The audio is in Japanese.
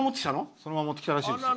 そのまま持ってきたらしいです。